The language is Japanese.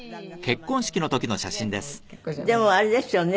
でもあれですよね。